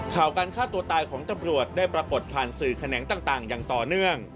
การฆ่าตัวตายของตำรวจได้ปรากฏผ่านสื่อแขนงต่างอย่างต่อเนื่อง